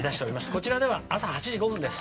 こちらでは朝８時５分です。